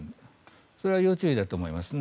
それは要注意だと思いますね。